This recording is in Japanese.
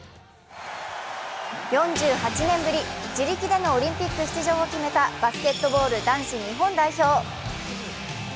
４８年ぶり、自力でのオリンピック出場を決めたバスケットボール男子日本代表。